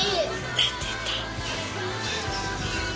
立てた。